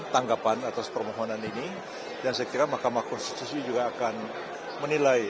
tanggapan atas permohonan ini dan saya kira mahkamah konstitusi juga akan menilai